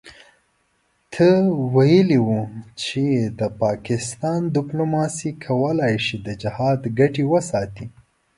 ته ویلي وو چې د پاکستان دیپلوماسي کولای شي د جهاد ګټې وساتي.